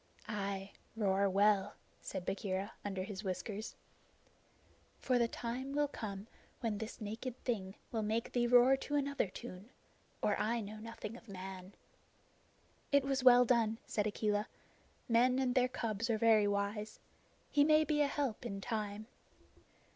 "Ay, roar well," said Bagheera, under his whiskers, "for the time will come when this naked thing will make thee roar to another tune, or I know nothing of man." "It was well done," said Akela. "Men and their cubs are very wise. He may be a help in time."